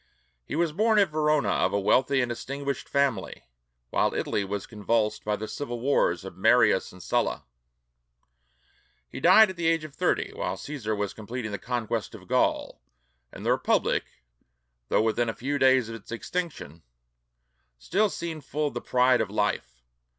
He was born at Verona of a wealthy and distinguished family, while Italy was convulsed by the civil wars of Marius and Sulla; he died at the age of thirty, while Cæsar was completing the conquest of Gaul, and the Republic, though within a few days of its extinction, still seemed full of the pride of life.